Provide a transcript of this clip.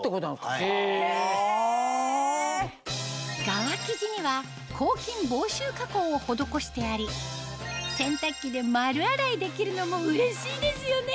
側生地にはを施してあり洗濯機で丸洗いできるのもうれしいですよね